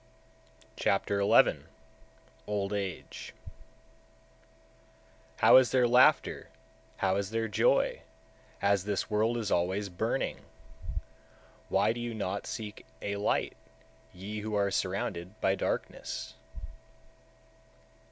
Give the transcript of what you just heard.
Chapter XI. Old Age 146. How is there laughter, how is there joy, as this world is always burning? Why do you not seek a light, ye who are surrounded by darkness?